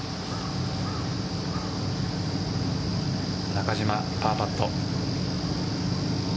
中島、パーパット。